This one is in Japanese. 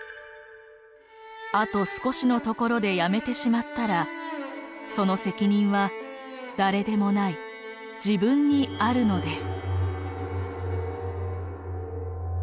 「あと少しのところでやめてしまったらその責任は誰でもない自分にあるのです」。